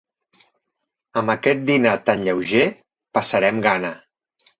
Amb aquest dinar tan lleuger, passarem gana.